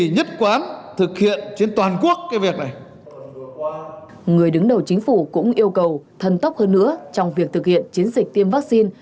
người đứng đầu chính phủ cũng yêu cầu thần tốc hơn nữa trong việc thực hiện chiến dịch tiêm vaccine